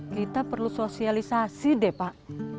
kita perlu sosialisasi deh pak